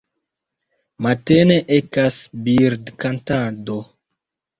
Matene ekas birdkantado.